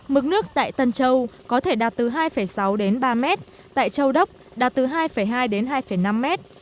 mức nước tại tân châu có thể đạt từ hai sáu đến ba mét tại châu đốc đạt từ hai hai đến hai năm mét